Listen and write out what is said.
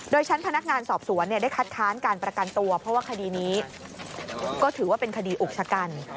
โดยชั้นพนักงานสอบสวนได้คัดค้านการประกันตัวเพราะว่าคดีนี้ก็ถือว่าเป็นคดีอุกชะกัน